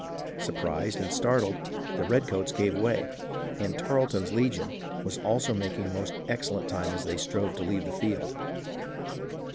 Surprised and startled, the redcoats gave way, and " Tarleton's legion " was also making most excellent time as they strove to leave the field.